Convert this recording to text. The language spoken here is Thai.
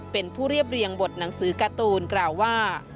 เป็นผู้เรียบเรียงบทหนังสือการ์ตูนกล่าวว่า